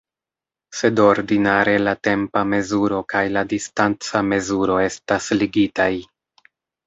Sed ordinare la tempa mezuro kaj la distanca mezuro estas ligitaj.